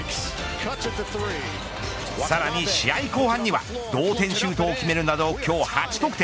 さらに試合後半には同点シュートを決めるなど今日８得点。